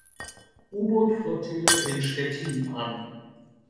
U-Bootflottille in Stettin an.